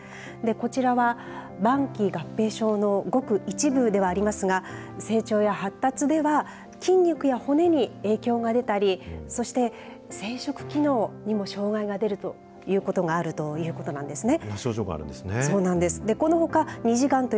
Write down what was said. こちらは晩期合併症のごく一部ではありますが、成長や発達では、筋肉や骨に影響が出たり、そして生殖機能にも障害が出ることがあるということなんですね。